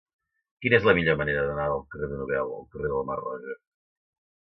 Quina és la millor manera d'anar del carrer de Nobel al carrer de la Mar Roja?